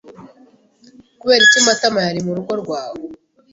kuberiki Matama yari murugo rwawe?